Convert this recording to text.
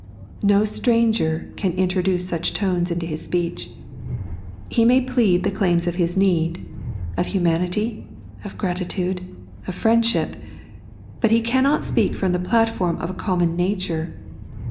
No stranger can introdnce sncb tones into his speech. He may {dead the claims of his need, of humanify, of gratitnde, of fiiendahip ; bnt he cannot speak from the jdatfonn of a GommoQ nature.